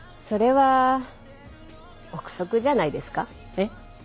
「えっ？」